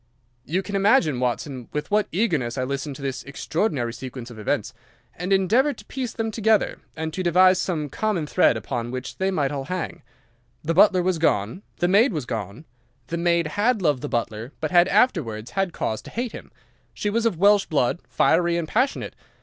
"You can imagine, Watson, with what eagerness I listened to this extraordinary sequence of events, and endeavoured to piece them together, and to devise some common thread upon which they might all hang. The butler was gone. The maid was gone. The maid had loved the butler, but had afterwards had cause to hate him. She was of Welsh blood, fiery and passionate.